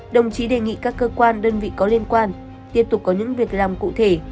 đồng chí đề nghị các cơ quan đơn vị có liên quan tiếp tục có những việc làm cụ thể